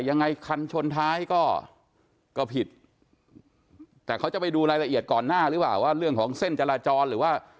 ยังไงคันชนท้ายก็ก็ผิดแต่เขาจะไปดูรายละเอียดก่อนหน้าหรือเปล่าว่าเรื่องของเส้นจราจรหรือว่า